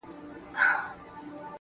يو کس په نورستان کي شهید سوی